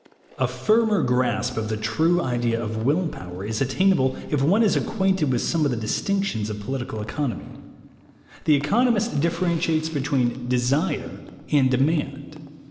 A firmer grasp of the true idea of will power is attainable if one is acquainted with some of the distinctions of political economy. The economist differentiates between "desire" and "demand."